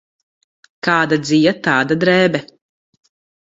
Kāda dzija, tāda drēbe.